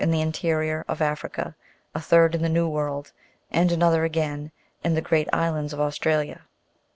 105 the interior of Africa, a third in the New World, and another again in the great islands of Australia.